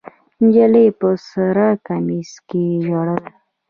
نجلۍ په سره کمیس کې ژړل.